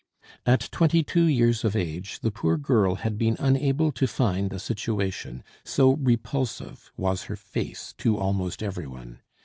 At twenty two years of age the poor girl had been unable to find a situation, so repulsive was her face to almost every one.